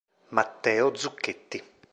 Matteo Zucchetti